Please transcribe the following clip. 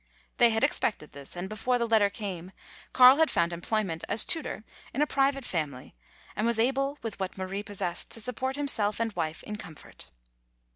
They had expected this, and before the letter came Carl had found employment as tutor in a private family, and was able with what Marie possessed to support himself and wife in comfort.